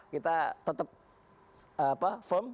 kita tetap firm